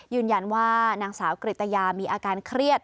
ยืนยันว่านางสาวกริตยามีอาการเครียด